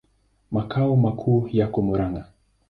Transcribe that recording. Makao makuu yako Murang'a.